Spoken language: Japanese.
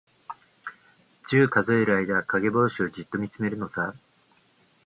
十、数える間、かげぼうしをじっとみつめるのさ。